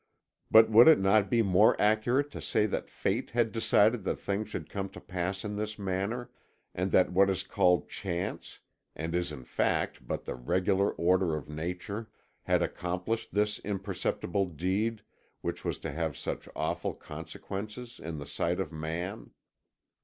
But would it not be more accurate to say that fate had decided that things should come to pass in this manner, and that what is called chance, and is in fact but the regular order of nature, had accomplished this imperceptible deed which was to have such awful consequences in the sight of man?